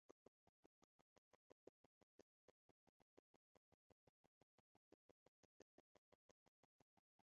জিজ্ঞাসাবাদের পর তারা জানায় যে তারা মক্কার বাহিনীর সদস্য এবং বাহিনীর জন্য পানি সংগ্রহ করছিল।